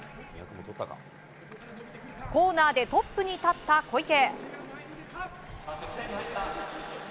コーナーでトップに立った小池。